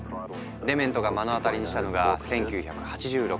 デメントが目の当たりにしたのが１９８６年。